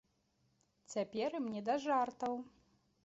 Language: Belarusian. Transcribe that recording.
Цяпер ім не да жартаў.